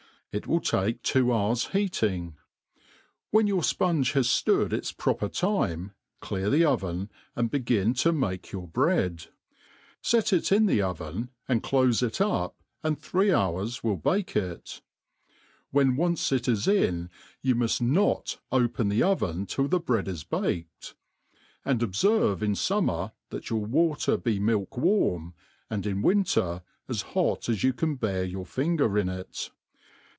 It will take two hours heat ing. When your fpunge has (lood its proper time, clear the oven, sind begin to make your bread. Set it in the oven, and clofc it up, and three hours will bake it. When once it is in^ you muft not open the oven till the bread is baked ; and ob ferve in fummer that your water be milk warm, and in winter as hot as you can bear your finger in it.